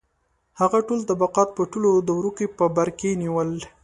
• هغه ټول طبقات په ټولو دورو کې په بر کې نیول.